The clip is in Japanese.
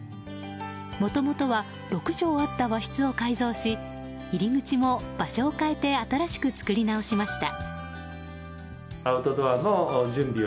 もともとは６畳あった和室を改造し入り口も、場所を変えて新しく作り直しました。